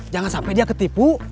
jangan sampai dia ketipu